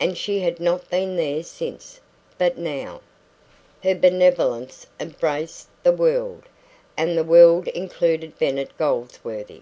And she had not been there since. But now Her benevolence embraced the world, and the world included Bennet Goldsworthy.